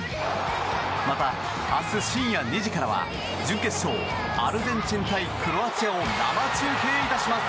また、明日深夜２時からは準決勝アルゼンチン対クロアチアを生中継いたします。